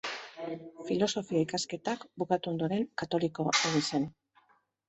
Filosofia-ikasketak bukatu ondoren, katoliko egin zen.